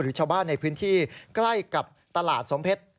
ชาวบ้านในพื้นที่ใกล้กับตลาดสมเพชร